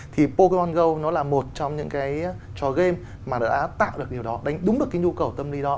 thì pogleng go nó là một trong những cái trò game mà đã tạo được điều đó đánh đúng được cái nhu cầu tâm lý đó